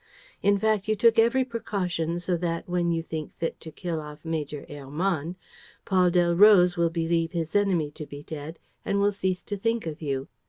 In fact, you took every precaution, so that, when you think fit to kill off Major Hermann, Paul Delroze will believe his enemy to be dead and will cease to think of you.